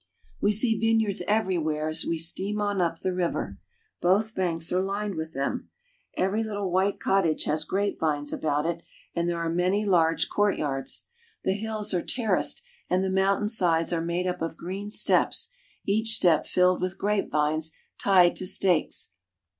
We see vineyards everywhere as we steam on up the river. Both banks are lined with them. Every little white cottage has grapevines about it, and there are many large vineyards. The hills are terraced, and the mountain sides are made up of green steps, each step filled with grapevines tied to stakes.